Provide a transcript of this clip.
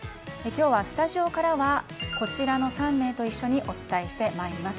スタジオからはこちらの３名とお伝えしてまいります。